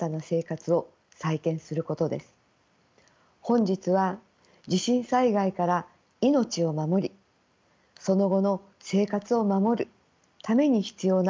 本日は地震災害から命を守りその後の生活を守るために必要な対策を考えていきます。